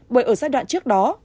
bởi ở giai đoạn trước đó